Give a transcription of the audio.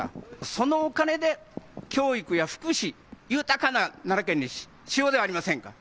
そのお金で教育や福祉、豊かな奈良県にしようではありませんか。